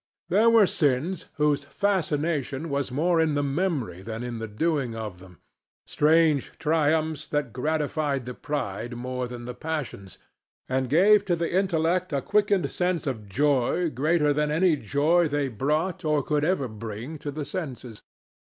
There were sins whose fascination was more in the memory than in the doing of them, strange triumphs that gratified the pride more than the passions, and gave to the intellect a quickened sense of joy, greater than any joy they brought, or could ever bring, to the senses.